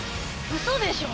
うそでしょ？